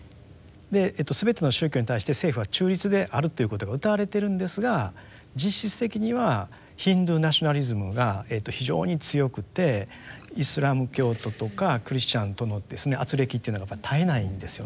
すべての宗教に対して政府は中立であるということが謳われているんですが実質的にはヒンドゥーナショナリズムが非常に強くてイスラム教徒とかクリスチャンとのですね軋轢というのが絶えないんですよね。